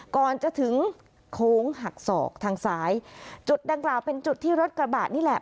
ก่อนจะถึงโค้งหักศอกทางซ้ายจุดดังกล่าวเป็นจุดที่รถกระบะนี่แหละ